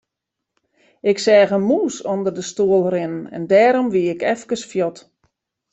Ik seach in mûs ûnder de stoel rinnen en dêrom wie ik efkes fuort.